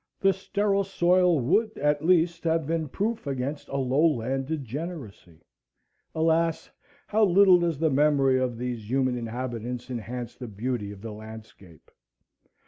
The sterile soil would at least have been proof against a low land degeneracy. Alas! how little does the memory of these human inhabitants enhance the beauty of the landscape!